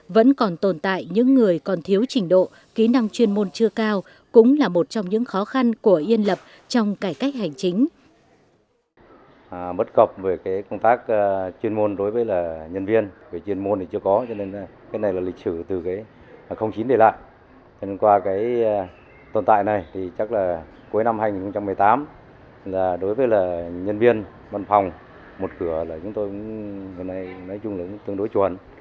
vẫn còn tồn tại những người còn thiếu trình độ kỹ năng chuyên môn chưa cao cũng là một trong những khó khăn của yên lập trong cải cách hành chính